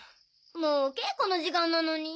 もう稽古の時間なのに。